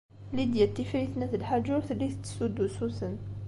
Lidya n Tifrit n At Lḥaǧ ur telli tettessu-d usuten.